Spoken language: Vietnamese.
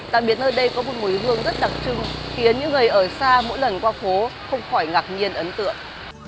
đặc biệt nơi đây có một mùi hương rất đặc trưng khiến những người ở xa mỗi lần qua phố không khỏi ngạc nhiên ấn tượng